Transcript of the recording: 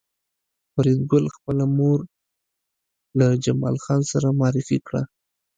فریدګل خپله مور له جمال خان سره معرفي کړه